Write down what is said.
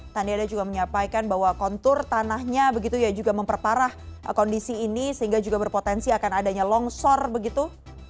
tadi ada juga menyampaikan bahwa kontur tanahnya begitu ya juga memperparah kondisi ini sehingga juga berpotensi akan adanya longsor begitu